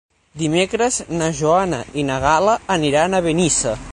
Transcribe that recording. Dimecres na Joana i na Gal·la aniran a Benissa.